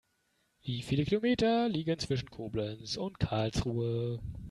Wie viele Kilometer liegen zwischen Koblenz und Karlsruhe?